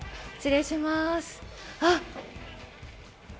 失礼します。